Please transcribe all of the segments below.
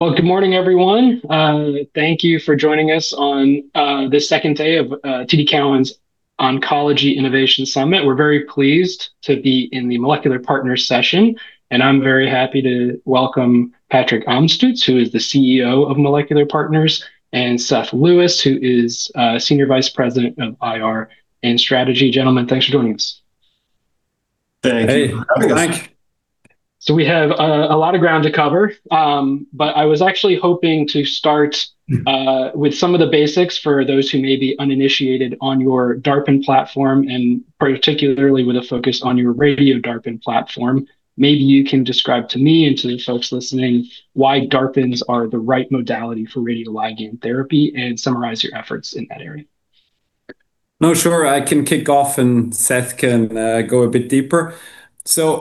Well, good morning, everyone. Thank you for joining us on this second day of TD Cowen's Oncology Innovation Summit. We're very pleased to be in the Molecular Partners session, and I'm very happy to welcome Patrick Amstutz, who is the CEO of Molecular Partners, and Seth Lewis, who is Senior Vice President of IR and Strategy. Gentlemen, thanks for joining us. Thank you. Hey. Thanks for having us. Thank you. We have a lot of ground to cover, but I was actually hoping to start with some of the basics for those who may be uninitiated on your DARPin platform, and particularly with a focus on your Radio-DARPin platform. Maybe you can describe to me and to the folks listening why DARPins are the right modality for radioligand therapy, and summarize your efforts in that area. No, sure. I can kick off, and Seth can go a bit deeper.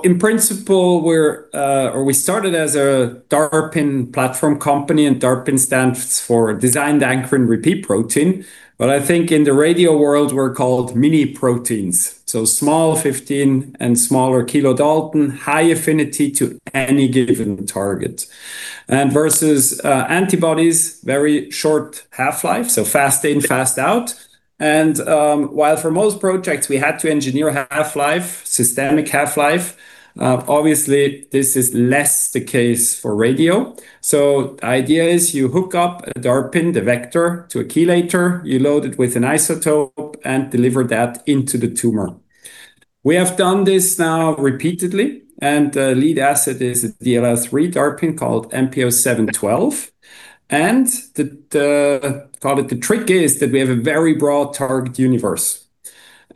In principle, we started as a DARPin platform company, and DARPin stands for Designed Ankyrin Repeat Proteins, but I think in the radio world we're called mini-proteins. Small 15 and smaller kilodalton, high affinity to any given target. Versus antibodies, very short half-life, so fast in, fast out. While for most projects we had to engineer half-life, systemic half-life, obviously this is less the case for radio. The idea is you hook up a DARPin, the vector, to a chelator, you load it with an isotope, and deliver that into the tumor. We have done this now repeatedly, and the lead asset is a DLL3 DARPin called MP0712. Call it the trick is that we have a very broad target universe.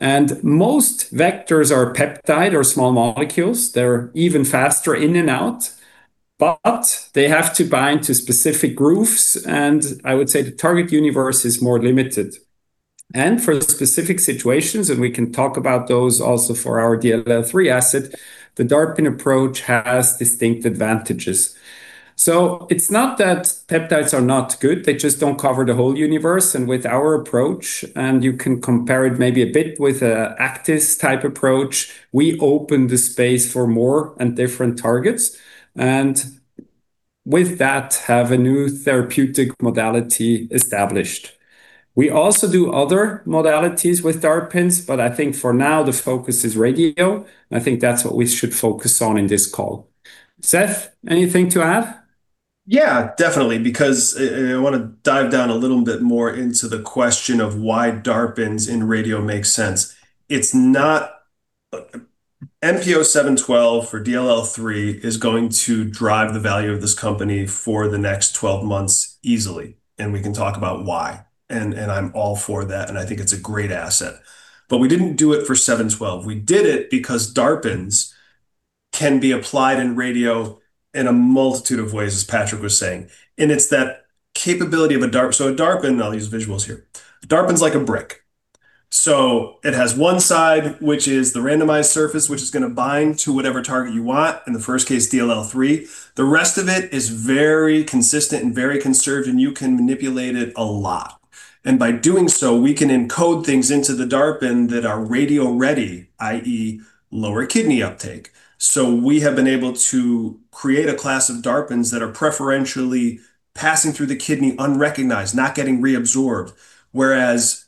Most vectors are peptide or small molecules. They're even faster in and out, but they have to bind to specific groups and I would say the target universe is more limited. For specific situations, and we can talk about those also for our DLL3 asset, the DARPin approach has distinct advantages. It's not that peptides are not good, they just don't cover the whole universe. With our approach, and you can compare it maybe a bit with an Aktis type approach, we open the space for more and different targets, and with that, have a new therapeutic modality established. We also do other modalities with DARPins, but I think for now the focus is radio. I think that's what we should focus on in this call. Seth, anything to add? Definitely, because I want to dive down a little bit more into the question of why DARPin in radio makes sense. MP0712 for DLL3 is going to drive the value of this company for the next 12 months easily, and we can talk about why, and I'm all for that, and I think it's a great asset. We didn't do it for 712. We did it because DARPin can be applied in radio in a multitude of ways, as Patrick was saying, and it's that capability of a DARPin. A DARPin, I'll use visuals here. A DARPin's like a brick. It has one side, which is the randomized surface, which is going to bind to whatever target you want. In the first case, DLL3. The rest of it is very consistent and very conserved, and you can manipulate it a lot. By doing so, we can encode things into the DARPin that are radio-ready, i.e., lower kidney uptake. We have been able to create a class of DARPins that are preferentially passing through the kidney unrecognized, not getting reabsorbed. Whereas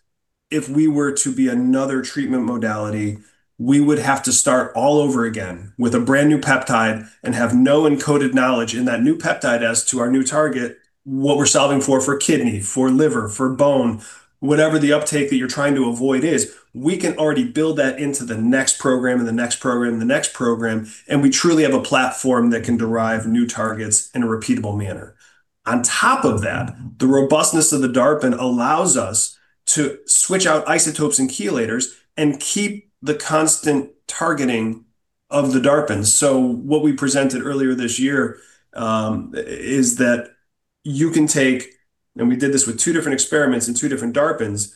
if we were to be another treatment modality, we would have to start all over again with a brand-new peptide and have no encoded knowledge in that new peptide as to our new target, what we're solving for kidney, for liver, for bone, whatever the uptake that you're trying to avoid is. We can already build that into the next program, and the next program, and the next program, and we truly have a platform that can derive new targets in a repeatable manner. On top of that, the robustness of the DARPin allows us to switch out isotopes and chelators and keep the constant targeting of the DARPin. What we presented earlier this year, is that you can take, and we did this with two different experiments and two different DARPins,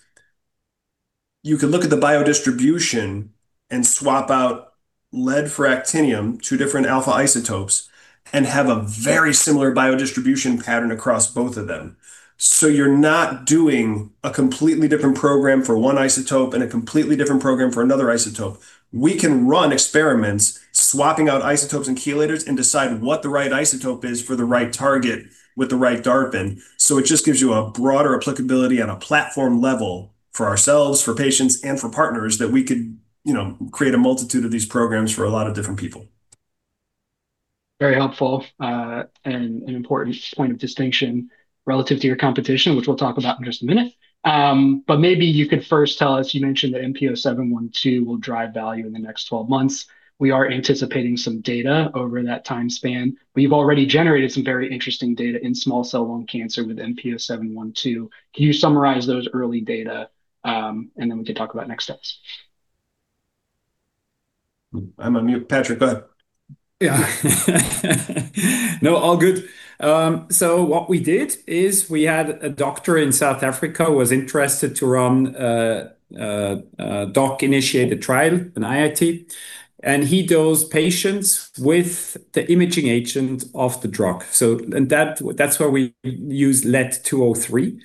you can look at the biodistribution and swap out lead for actinium, two different alpha isotopes, and have a very similar biodistribution pattern across both of them. You're not doing a completely different program for one isotope and a completely different program for another isotope. We can run experiments swapping out isotopes and chelators and decide what the right isotope is for the right target with the right DARPin. It just gives you a broader applicability on a platform level for ourselves, for patients, and for partners that we could create a multitude of these programs for a lot of different people. Very helpful, an important point of distinction relative to your competition, which we'll talk about in just a minute. Maybe you could first tell us, you mentioned that MP0712 will drive value in the next 12 months. We are anticipating some data over that time span. We've already generated some very interesting data in small cell lung cancer with MP0712. Can you summarize those early data? Then we can talk about next steps. I'm on mute. Patrick, go ahead. What we did is we had a doctor in South Africa who was interested to run a doctor-initiated trial, an IIT, and he dosed patients with the imaging agent of the drug. That's where we used Lead-203.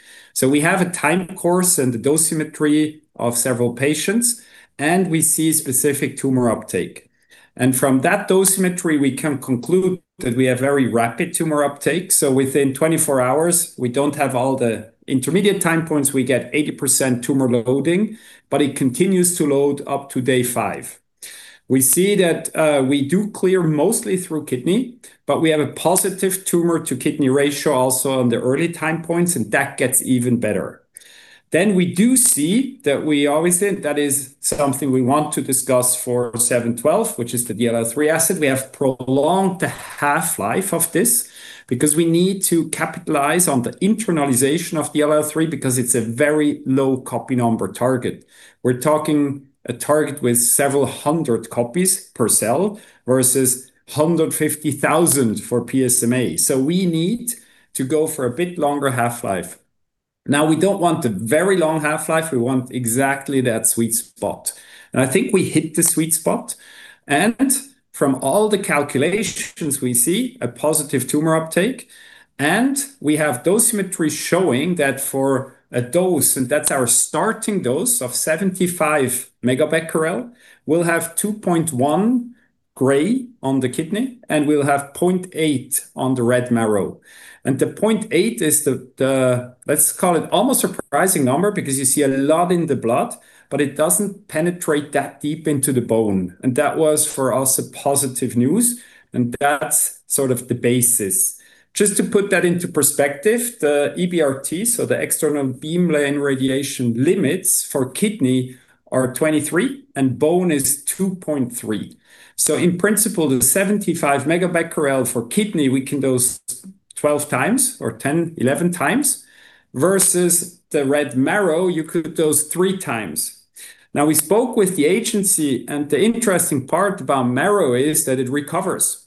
We have a time course and the dosimetry of several patients, and we see specific tumor uptake. From that dosimetry, we can conclude that we have very rapid tumor uptake. Within 24 hours, we don't have all the intermediate time points, we get 80% tumor loading, but it continues to load up to day five. We see that we do clear mostly through kidney, but we have a positive tumor-to-kidney ratio also on the early time points, and that gets even better. We do see that we always think that is something we want to discuss for 712, which is the DLL3 asset. We have prolonged the half-life of this because we need to capitalize on the internalization of DLL3 because it's a very low copy number target. We're talking a target with several hundred copies per cell versus 150,000 for PSMA. We need to go for a bit longer half-life. Now, we don't want a very long half-life. We want exactly that sweet spot, and I think we hit the sweet spot. From all the calculations, we see a positive tumor uptake, and we have dosimetry showing that for a dose, and that's our starting dose of 75 megabecquerel, we'll have 2.1 gray on the kidney, and we'll have 0.8 on the red marrow. The 0.8 is the, let's call it almost a surprising number because you see a lot in the blood, but it doesn't penetrate that deep into the bone. That was for us, positive news, and that's sort of the basis. Just to put that into perspective, the EBRT, so the External Beam Radiation Therapy limits for kidney are 23, and bone is 2.3. In principle, the 75 megabecquerel for kidney, we can dose 12x or 10, 11x, versus the red marrow, you could dose three times. We spoke with the agency, the interesting part about marrow is that it recovers.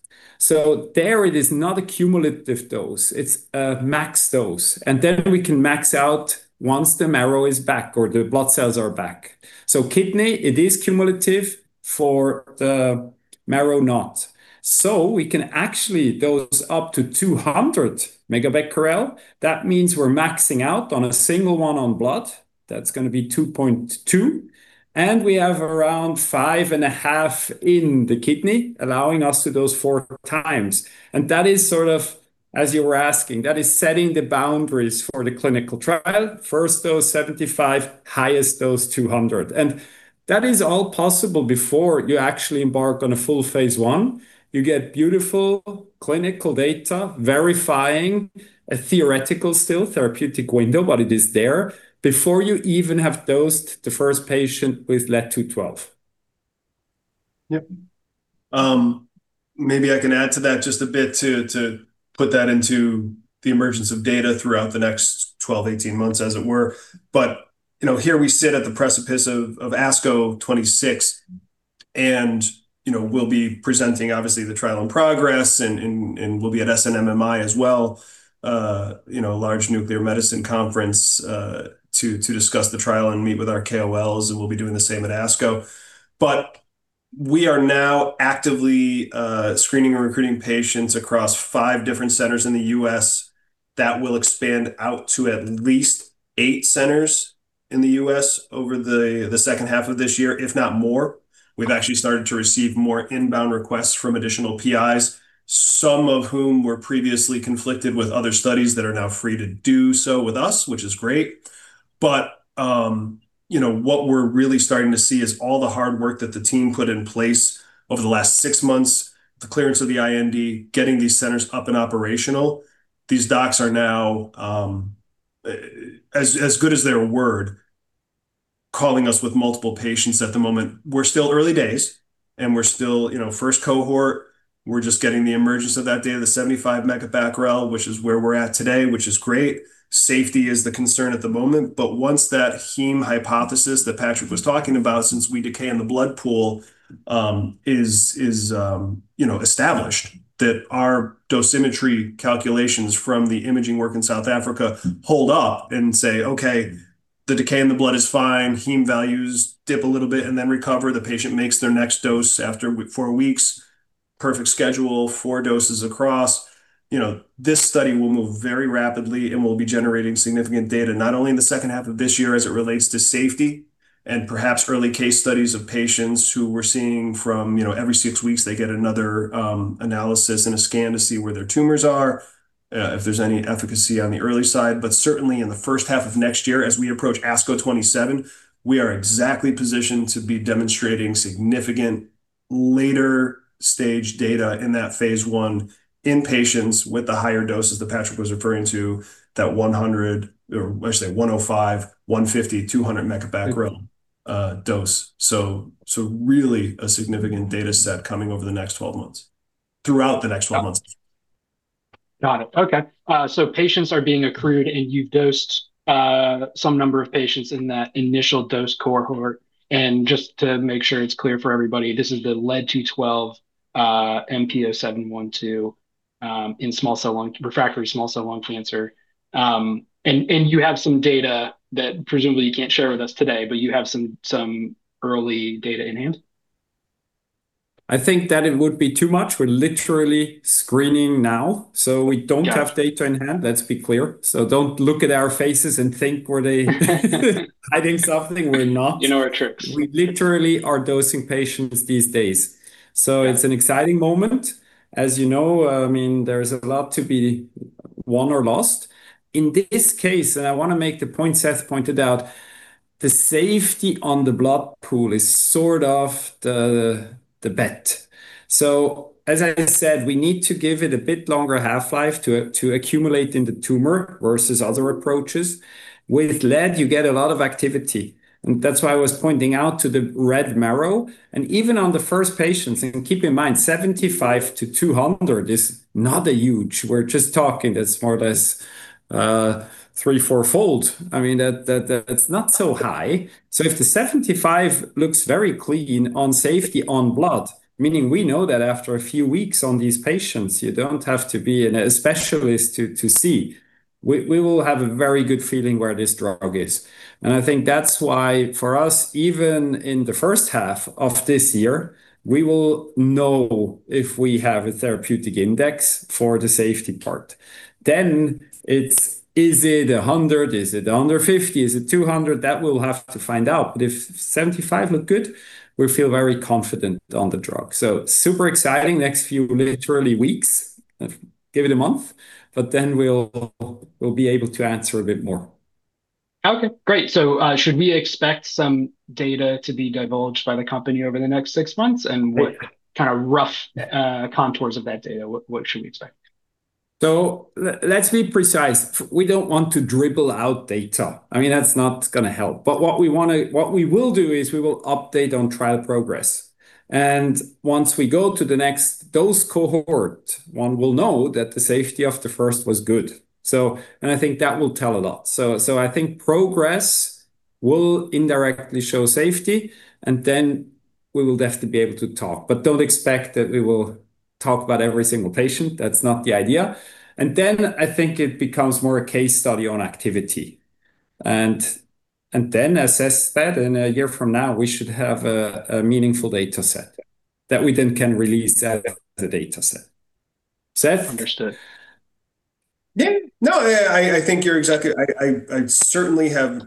There it is not a cumulative dose. It's a max dose, then we can max out once the marrow is back or the blood cells are back. Kidney, it is cumulative. For the marrow, not. We can actually dose up to 200 megabecquerel. That means we're maxing out on a single one on blood. That's going to be 2.2, and we have around five and a half in the kidney, allowing us to dose four times. That is sort of, as you were asking, that is setting the boundaries for the clinical trial. First dose, 75, highest dose, 200. That is all possible before you actually embark on a full phase I. You get beautiful clinical data verifying a theoretical, still therapeutic window, but it is there before you even have dosed the first patient with Lead-212. Yep. Maybe I can add to that just a bit to put that into the emergence of data throughout the next 12, 18 months, as it were. Here we sit at the precipice of ASCO 2026, and we'll be presenting, obviously, the trial in progress, and we'll be at SNMMI as well, a large nuclear medicine conference, to discuss the trial and meet with our KOLs, and we'll be doing the same at ASCO. We are now actively screening and recruiting patients across five different centers in the U.S. that will expand out to at least eight centers in the U.S. over the second half of this year, if not more. We've actually started to receive more inbound requests from additional PIs, some of whom were previously conflicted with other studies that are now free to do so with us, which is great. What we're really starting to see is all the hard work that the team put in place over the last six months, the clearance of the IND, getting these centers up and operational. These docs are now, as good as their word, calling us with multiple patients at the moment. We're still early days, and we're still first cohort. We're just getting the emergence of that data, the 75 megabecquerel, which is where we're at today, which is great. Safety is the concern at the moment. Once that heme hypothesis that Patrick was talking about, since we decay in the blood pool, is established, that our dosimetry calculations from the imaging work in South Africa hold up and say, "Okay, the decay in the blood is fine. Heme values dip a little bit and then recover." The patient makes their next dose after four weeks. Perfect schedule, four doses across." This study will move very rapidly, and we'll be generating significant data, not only in the second half of this year as it relates to safety and perhaps early case studies of patients who we're seeing from every six weeks, they get another analysis and a scan to see where their tumors are, if there's any efficacy on the early side. Certainly in the first half of next year, as we approach ASCO 2027, we are exactly positioned to be demonstrating significant later-stage data in that phase I in patients with the higher doses that Patrick was referring to, that 100, or I should say 105, 150, 200 megabecquerel dose. Really a significant data set coming over the next 12 months. Throughout the next 12 months. Got it. Okay. Patients are being accrued, and you've dosed some number of patients in that initial dose cohort. Just to make sure it's clear for everybody, this is the Lead-212, MP0712, in refractory small cell lung cancer. You have some data that presumably you can't share with us today, but you have some early data in hand? I think that it would be too much. We're literally screening now, so we don't have data in hand. Let's be clear. Don't look at our faces and think, "Were they hiding something?" We're not. You know our tricks. We literally are dosing patients these days. It's an exciting moment. As you know, there's a lot to be won or lost. In this case, and I want to make the point Seth pointed out, the safety on the blood pool is sort of the bet. As I said, we need to give it a bit longer half-life to accumulate in the tumor versus other approaches. With lead, you get a lot of activity, and that's why I was pointing out to the red marrow, and even on the first patients, and keep in mind, 75-200 is not huge. We're just talking that's more or less three to four-fold. That's not so high. If the 75 looks very clean on safety on blood, meaning we know that after a few weeks on these patients, you don't have to be a specialist to see. We will have a very good feeling where this drug is. I think that's why for us, even in the first half of this year, we will know if we have a therapeutic index for the safety part. It's, is it 100? Is it under 50? Is it 200? That we'll have to find out. If 75 look good, we feel very confident on the drug. Super exciting next few literally weeks. Give it a month, but then we'll be able to answer a bit more. Okay, great. Should we expect some data to be divulged by the company over the next six months, and what kind of rough contours of that data, what should we expect? Let's be precise. We don't want to dribble out data. That's not going to help. What we will do is we will update on trial progress. Once we go to the next dose cohort, one will know that the safety of the first was good. I think that will tell a lot. I think progress will indirectly show safety, and then we will definitely be able to talk. Don't expect that we will talk about every single patient. That's not the idea. Then I think it becomes more a case study on activity. Then assess that in a year from now, we should have a meaningful data set that we then can release as the data set. Seth? Understood. No, I certainly have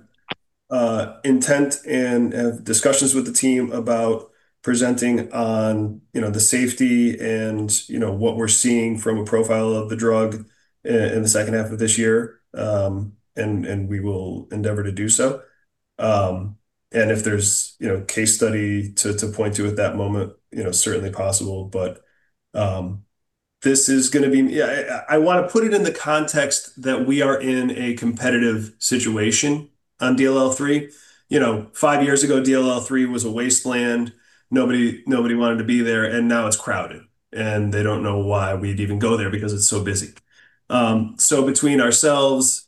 intent and have discussions with the team about presenting on the safety and what we're seeing from a profile of the drug in the second half of this year. We will endeavor to do so. If there's case study to point to at that moment, certainly possible. I want to put it in the context that we are in a competitive situation on DLL3. Five years ago, DLL3 was a wasteland. Nobody wanted to be there, and now it's crowded, and they don't know why we'd even go there because it's so busy. Between ourselves,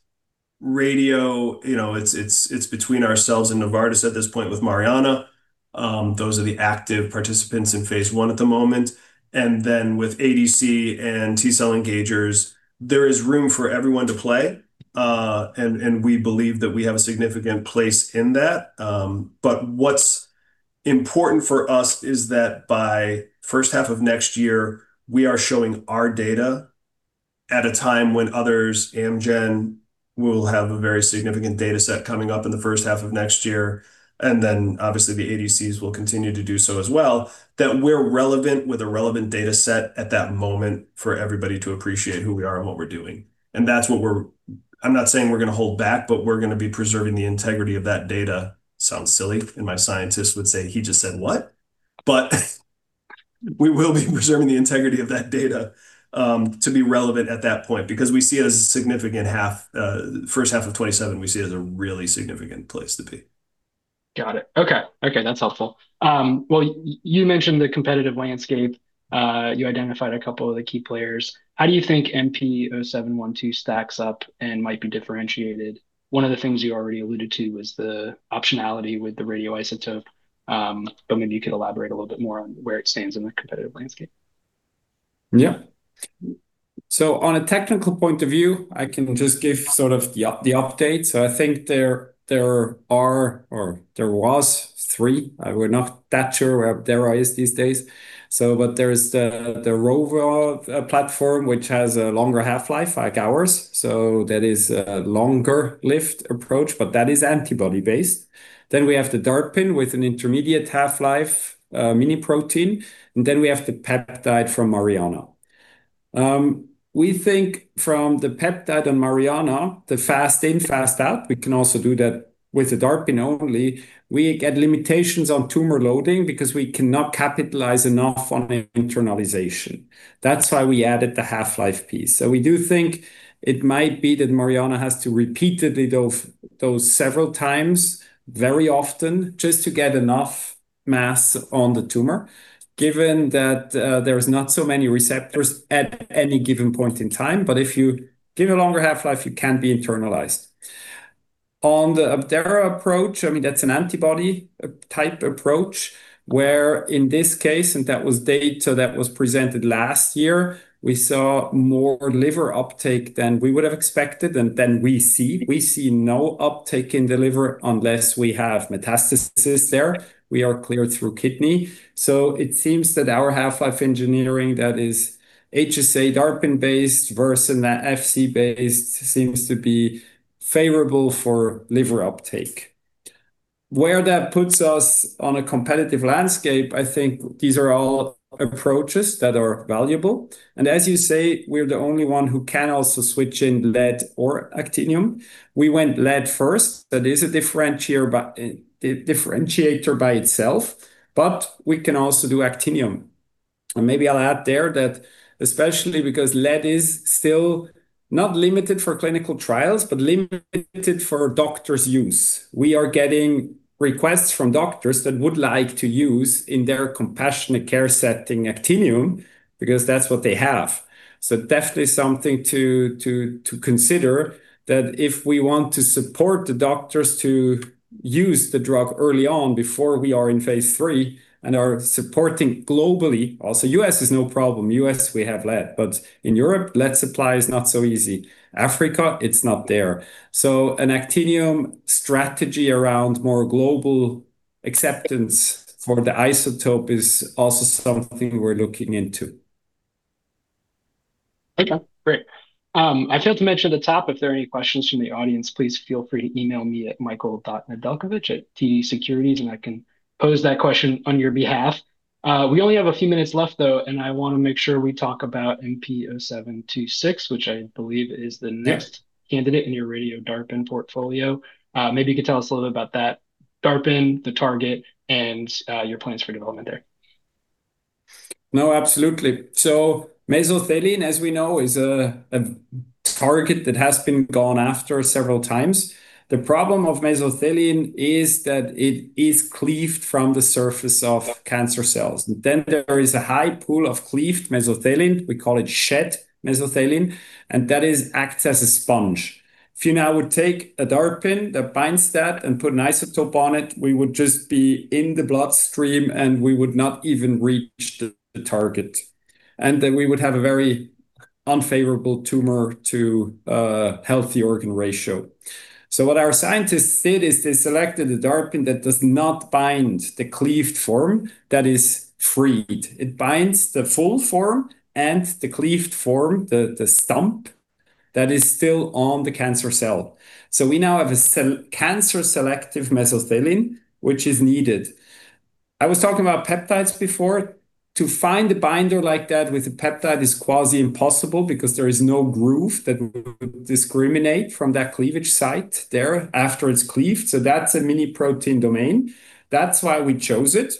Radio, it's between ourselves and Novartis at this point with Mariana. Those are the active participants in phase I at the moment. With ADC and T-cell engagers, there is room for everyone to play. We believe that we have a significant place in that. What's important for us is that by first half of next year, we are showing our data at a time when others, Amgen, will have a very significant data set coming up in the first half of next year. Obviously the ADCs will continue to do so as well, that we're relevant with a relevant data set at that moment for everybody to appreciate who we are and what we're doing. I'm not saying we're going to hold back, but we're going to be preserving the integrity of that data. Sounds silly. My scientist would say, "He just said what?" We will be preserving the integrity of that data, to be relevant at that point, because we see it as a significant half, first half of 2027, we see as a really significant place to be. Got it. Okay. That's helpful. Well, you mentioned the competitive landscape. You identified a couple of the key players. How do you think MP0712 stacks up and might be differentiated? One of the things you already alluded to was the optionality with the radioisotope. Maybe you could elaborate a little bit more on where it stands in the competitive landscape. Yeah. On a technical point of view, I can just give sort of the update. I think there are, or there was three. We're not that sure where Dara is these days. There is the Rover platform, which has a longer half-life, like ours. That is a longer-lived approach, but that is antibody-based. We have the DARPin with an intermediate half-life, mini-protein, we have the peptide from Mariana. We think from the peptide on Mariana, the fast in, fast out, we can also do that with the DARPin only. We get limitations on tumor loading because we cannot capitalize enough on internalization. That's why we added the half-life piece. We do think it might be that Mariana Oncology has to repeatedly dose several times very often just to get enough mass on the tumor, given that there is not so many receptors at any given point in time, but if you give a longer half-life, it can be internalized. On the OPDIVO approach, that's an antibody type approach, where, in this case, and that was data that was presented last year, we saw more liver uptake than we would have expected, and than we see. We see no uptake in the liver unless we have metastasis there. We are clear through kidney. It seems that our half-life engineering, that is HSA DARPin based versus an Fc based, seems to be favorable for liver uptake. Where that puts us on a competitive landscape, I think these are all approaches that are valuable. As you say, we're the only one who can also switch in lead or actinium. We went lead first. That is a differentiator by itself, but we can also do actinium. Maybe I'll add there that especially because lead is still not limited for clinical trials, but limited for doctors' use. We are getting requests from doctors that would like to use, in their compassionate care setting, actinium, because that's what they have. Definitely something to consider, that if we want to support the doctors to use the drug early on before we are in phase III and are supporting globally. U.S. is no problem. U.S., we have lead. In Europe, lead supply is not so easy. Africa, it's not there. An actinium strategy around more global acceptance for the isotope is also something we're looking into. Okay, great. I failed to mention at the top, if there are any questions from the audience, please feel free to email me at michael.nedelcovych@tdsecurities, and I can pose that question on your behalf. We only have a few minutes left, though, and I want to make sure we talk about MP0726, which I believe is the next- Yeah. Candidate in your Radio-DARPin portfolio. Maybe you could tell us a little bit about that, DARPin, the target, and your plans for development there. No, absolutely. Mesothelin, as we know, is a target that has been gone after several times. The problem of mesothelin is that it is cleaved from the surface of cancer cells. There is a high pool of cleaved mesothelin, we call it shed mesothelin, and that is acts as a sponge. If you now would take a DARPin that binds that and put an isotope on it, we would just be in the bloodstream, and we would not even reach the target. We would have a very unfavorable tumor to healthy organ ratio. What our scientists did is they selected a DARPin that does not bind the cleaved form that is freed. It binds the full form and the cleaved form, the stump that is still on the cancer cell. We now have a cancer selective mesothelin, which is needed. I was talking about peptides before. To find a binder like that with a peptide is quasi impossible because there is no groove that would discriminate from that cleavage site there after it's cleaved. That's a mini protein domain. That's why we chose it.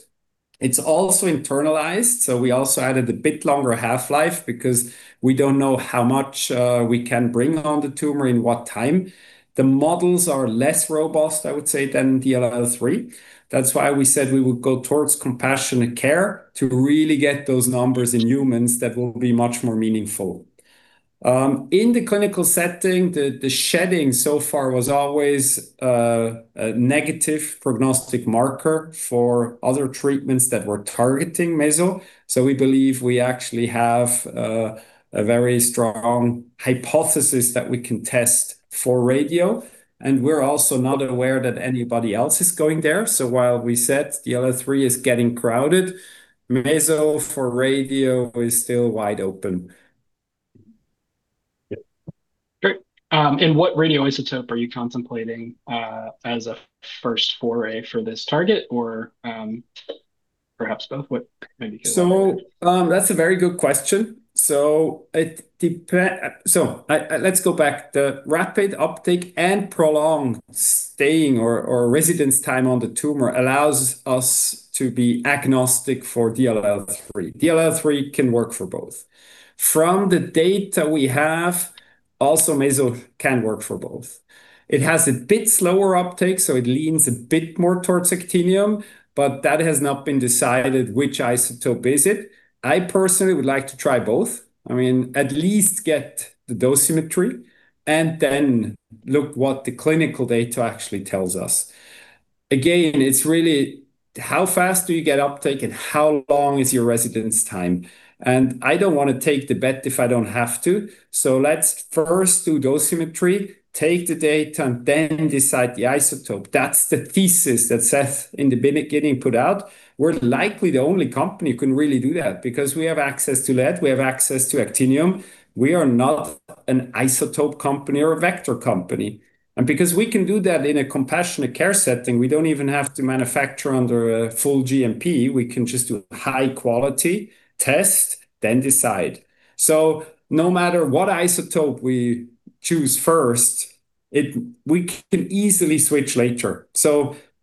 It's also internalized, so we also added a bit longer half-life because we don't know how much we can bring on the tumor in what time. The models are less robust, I would say, than DLL3. We said we would go towards compassionate care to really get those numbers in humans that will be much more meaningful. In the clinical setting, the shedding so far was always a negative prognostic marker for other treatments that were targeting meso. We believe we actually have a very strong hypothesis that we can test for radio, and we're also not aware that anybody else is going there. While we said DLL3 is getting crowded, meso for radio is still wide open. Great. What radioisotope are you contemplating as a first foray for this target? Or perhaps both? That's a very good question. Let's go back. The rapid uptake and prolonged staying or residence time on the tumor allows us to be agnostic for DLL3. DLL3 can work for both. From the data we have, also meso can work for both. It has a bit slower uptake, so it leans a bit more towards actinium, but that has not been decided which isotope is it. I personally would like to try both. At least get the dosimetry and then look what the clinical data actually tells us. It's really how fast do you get uptake, and how long is your residence time? I don't want to take the bet if I don't have to. Let's first do dosimetry, take the data, and then decide the isotope. That's the thesis that Seth in the beginning put out. We're likely the only company who can really do that because we have access to lead, we have access to actinium. We are not an isotope company or a vector company. Because we can do that in a compassionate care setting, we don't even have to manufacture under a full GMP. We can just do high quality test, then decide. No matter what isotope we choose first, we can easily switch later.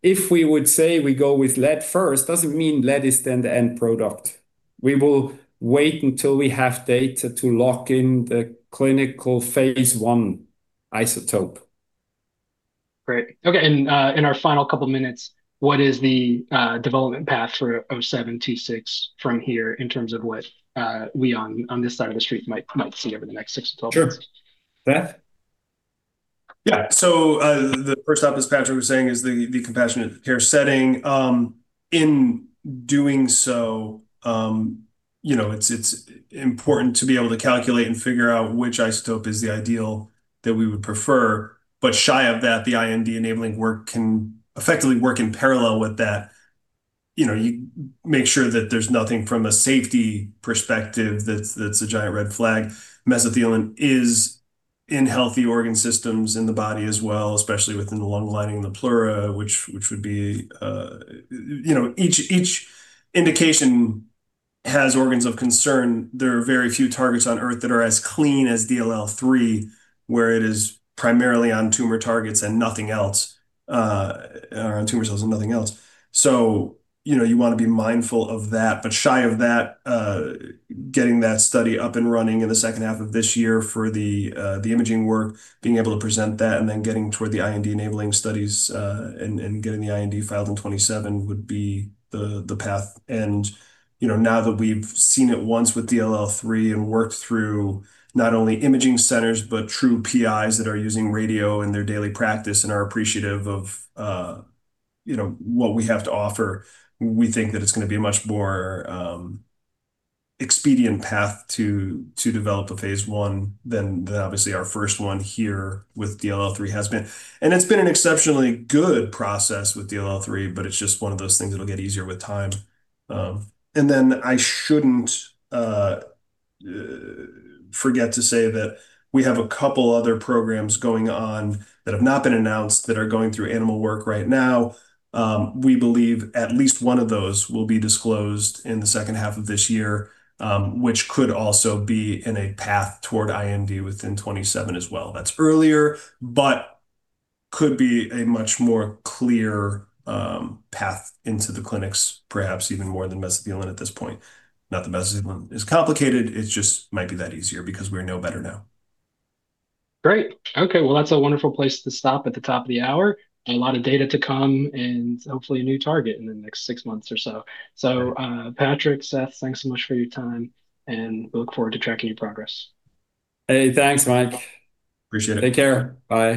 If we would say we go with lead first, doesn't mean lead is then the end product. We will wait until we have data to lock in the clinical phase I isotope. Great. Okay, in our final couple minutes, what is the development path for MP0726 from here in terms of what we on this side of the street might see over the next six to 12 months? Sure. Seth? Yeah. The first up, as Patrick was saying, is the compassionate care setting. In doing so, it's important to be able to calculate and figure out which isotope is the ideal that we would prefer. Shy of that, the IND-enabling work can effectively work in parallel with that. You make sure that there's nothing from a safety perspective that's a giant red flag. Mesothelin is in healthy organ systems in the body as well, especially within the lung lining, the pleura. Each indication has organs of concern. There are very few targets on Earth that are as clean as DLL3, where it is primarily on tumor targets and nothing else, or on tumor cells and nothing else. You want to be mindful of that, but shy of that, getting that study up and running in the second half of this year for the imaging work, being able to present that, then getting toward the IND-enabling studies, and getting the IND filed in 2027 would be the path. Now, that we've seen it once with DLL3 and worked through not only imaging centers, but true PIs that are using radio in their daily practice and are appreciative of what we have to offer, we think that it's going to be a much more expedient path to develop a phase I than obviously our first one here with DLL3 has been. It's been an exceptionally good process with DLL3, but it's just one of those things that'll get easier with time. I shouldn't forget to say that we have a couple other programs going on that have not been announced that are going through animal work right now. We believe at least one of those will be disclosed in the second half of this year, which could also be in a path toward IND within 2027 as well. That's earlier, but could be a much more clear path into the clinics, perhaps even more than mesothelin at this point. Not that mesothelin is complicated, it's just might be that easier because we know better now. Great. Okay. Well, that's a wonderful place to stop at the top of the hour. A lot of data to come, hopefully a new target in the next six months or so. Patrick, Seth, thanks so much for your time, and we look forward to tracking your progress. Hey, thanks, Mike. Appreciate it. Take care. Bye.